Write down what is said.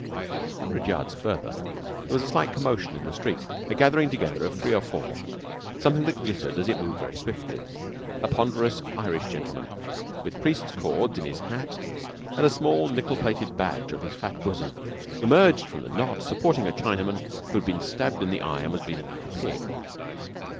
A hundred yards further there was a slight commotion in the street, a gathering together of three or four, something that glittered as it moved very swiftly. A ponderous Irish gentleman, with priest's cords in his hat and a small nickel plated badge on his fat bosom, emerged from the knot supporting a Chinaman who had been stabbed in the eye and was bleeding like a pig.